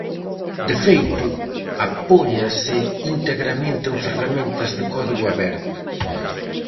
De feito, apóiase integramente en ferramentas de código aberto.